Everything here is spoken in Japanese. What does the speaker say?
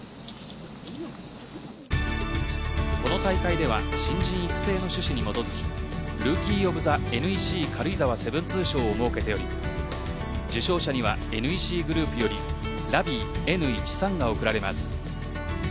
この大会では新人育成の趣旨に基づきルーキー・オブ・ザ・ＮＥＣ軽井沢７２賞を設けており受賞者にはＮＥＣグループよりＬＡＶＩＥＮ１３が贈られます。